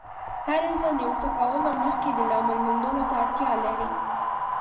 هر انسان د يو څه کولو مخکې د لامل موندلو ته اړتیا لري.